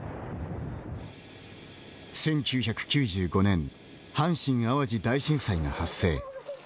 １９９５年阪神・淡路大震災が発生。